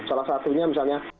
salah satunya misalnya